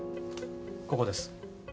ここです。